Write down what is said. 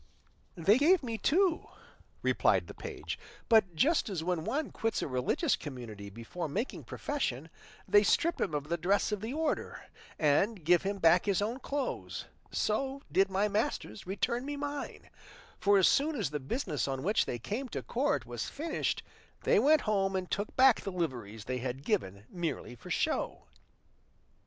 "They gave me two," replied the page; "but just as when one quits a religious community before making profession, they strip him of the dress of the order and give him back his own clothes, so did my masters return me mine; for as soon as the business on which they came to court was finished, they went home and took back the liveries they had given merely for show."